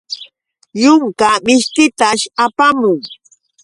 Yunka mishkitash apamuwan.